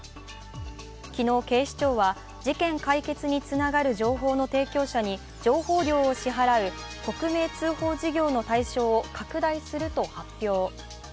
昨日、警視庁は事件解決につながる情報の提供者に情報料を支払う、匿名通報事業の対象を拡大すると発表。